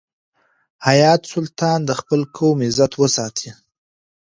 حیات سلطان د خپل قوم عزت وساتی.